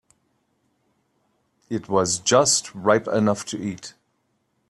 It was just ripe enough to eat.